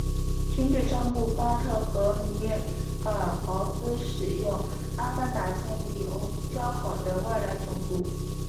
军队招募巴特和米尔豪斯使用阿凡达建立交好的外来种族。